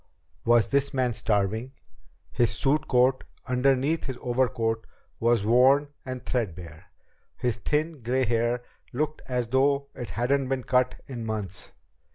Was this man starving? His suit coat, underneath his overcoat, was worn and threadbare. His thin, gray hair looked as though it hadn't been cut in months.